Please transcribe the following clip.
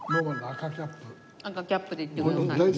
赤キャップでいってください。